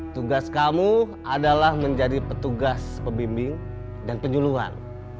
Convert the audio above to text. tugas kamu adalah menjadi petugas pembimbing dan penyuluhan